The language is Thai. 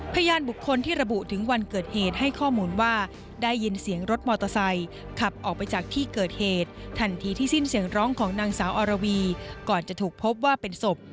พยานบุคคลที่ระบุถึงวันเกิดเหตุให้ข้อมูลว่าได้ยินเสียงรถมอเตอร์ไซค์ขับออกไปจากที่เกิดเหตุทันทีที่สิ้นเสียงร้องของนางสาวอรวีก่อนจะถูกพบว่าเป็นศพ